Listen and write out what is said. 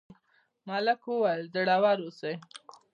ملک وویل زړور اوسئ.